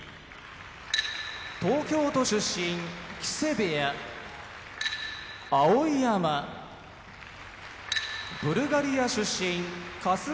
東京都出身木瀬部屋碧山ブルガリア出身春日野部屋